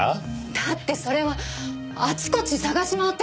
だってそれはあちこち捜し回ってたんです。